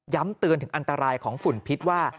เตือนถึงอันตรายของฝุ่นพิษว่า